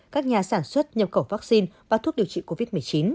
các nhà sản xuất nhập khẩu vaccine và thuốc điều trị covid một mươi chín